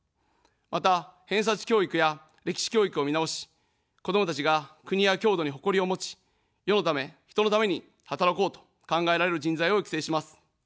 また、偏差値教育や歴史教育を見直し、子どもたちが国や郷土に誇りを持ち、世のため人のために働こうと考えられる人材を育成します。